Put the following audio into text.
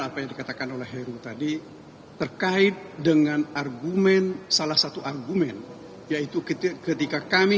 apa yang dikatakan oleh heru tadi terkait dengan argumen salah satu argumen yaitu ketika kami